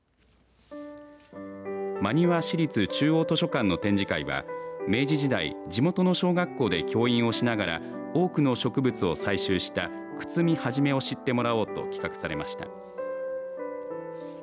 真庭市立中央図書館の展示会は明治時代地元の小学校で教員をしながら多くの植物を採集した九津見肇を知ってもらおうと企画されました。